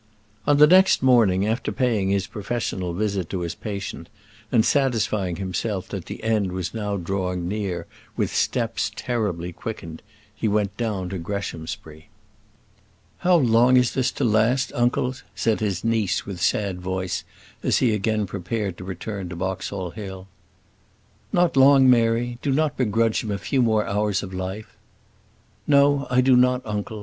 On the next morning, after paying his professional visit to his patient, and satisfying himself that the end was now drawing near with steps terribly quickened, he went down to Greshamsbury. "How long is this to last, uncle?" said his niece, with sad voice, as he again prepared to return to Boxall Hill. "Not long, Mary; do not begrudge him a few more hours of life." "No, I do not, uncle.